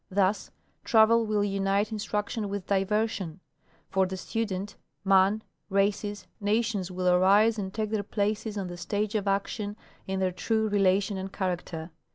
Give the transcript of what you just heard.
Thus, travel will unite instruction with diversion. For the student, man, races, nations will arise and take their places on the stage of action in their true relation and character.